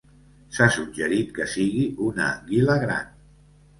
S'ha suggerit que sigui una anguila gran.